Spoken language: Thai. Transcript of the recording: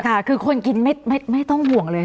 ค่ะคือคนกินไม่ต้องห่วงเลย